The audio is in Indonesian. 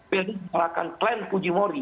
beri seorang klan fujimori